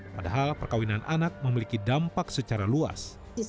padahal perkawinan anak memiliki dampak secara luas